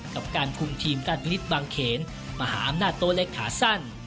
กับการคุมทีมการพินิษฐ์บางเขนมหาอำนาจตัวเล็กขาสั้น